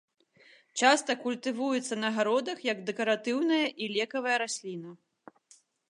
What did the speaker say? Часта культывуецца на гародах як дэкаратыўная і лекавая расліна.